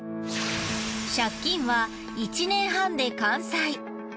借金は１年半で完済。